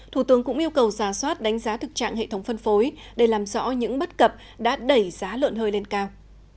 thủ tướng cũng yêu cầu giả soát đánh giá thực trạng hệ thống phân phối để làm rõ những bất cập đã đẩy giá lợn hơi lên cao